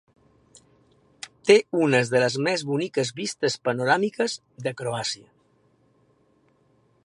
Té unes de les més boniques vistes panoràmiques de Croàcia.